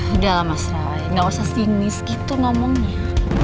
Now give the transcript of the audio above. udah lah mas rai gak usah sinis gitu ngomongnya